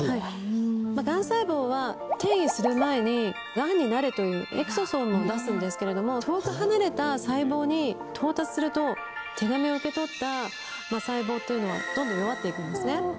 ガン細胞は転移する前に「ガンになれ」というエクソソームを出すんですけれども遠く離れた細胞に到達すると手紙を受け取った細胞というのはどんどん弱って行くんですね。